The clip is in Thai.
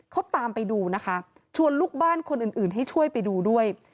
เขาตามไปดูนะคะชวนลูกบ้านคนอื่นให้ช่วยไปดูด้วย